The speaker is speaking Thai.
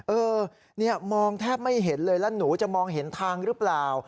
เออเนี่ยมองแทบไม่เห็นเลยแล้วหนูจะมองเห็นทางหรือเปล่า